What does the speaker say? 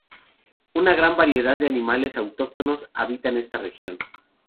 Una gran variedad de animales autóctonos habitan esta región.